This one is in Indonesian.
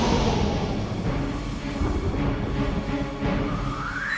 semoga gusti allah bisa menangkan kita